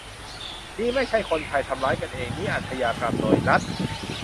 "นี่ไม่ใช่คนไทยทำร้ายกันเอง นี่อาชญากรรมโดยรัฐ"